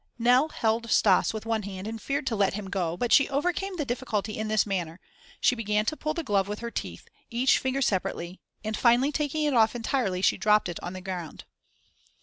Nell held Stas with one hand and feared to let him go, but she overcame the difficulty in this manner: she began to pull the glove with her teeth, each finger separately, and, finally taking it off entirely, she dropped it on the ground.